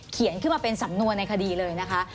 ขึ้นมาเป็นสำนวนในคดีเลยนะคะ